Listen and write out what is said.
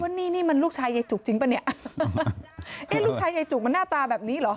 นี่นี่มันลูกชายยายจุกจริงป่ะเนี่ยเอ๊ะลูกชายยายจุกมันหน้าตาแบบนี้เหรอ